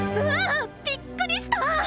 びっくりした！